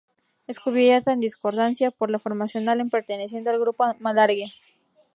Es cubierta en discordancia por la Formación Allen perteneciente al Grupo Malargüe.